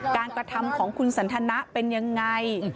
การกระทำของคุณสันทนะเป็นอย่างไร